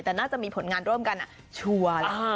แต่น่าจะมีผลงานร่วมกันชัวร์แล้ว